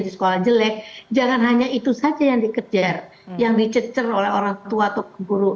di sekolah jelek jangan hanya itu saja yang dikejar yang dicecer oleh orang tua atau guru